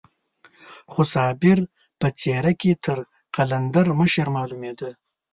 خو صابر په څېره کې تر قلندر مشر معلومېده.